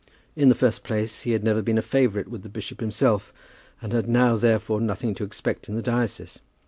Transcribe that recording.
In the first place, he had never been a favourite with the bishop himself, and had now, therefore, nothing to expect in the diocese.